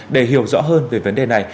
để hiểu rõ hơn về vấn đề này